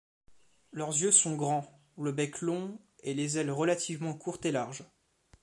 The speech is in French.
Leurs yeux sont grands, le bec long et les ailes relativement courtes et larges.